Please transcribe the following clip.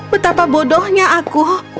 betapa bodohnya aku